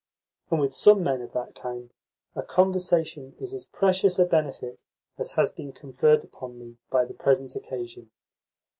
And with some men of that kind a conversation is as precious a benefit as has been conferred upon me by the present occasion.